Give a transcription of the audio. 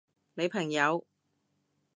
你朋友？